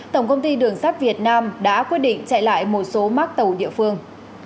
tổng công ty đường sắt việt nam đã quyết định chạy lại một số mắc tàu địa phương